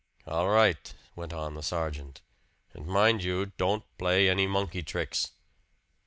"All right," went on the sergeant. "And mind you don't play any monkey tricks!"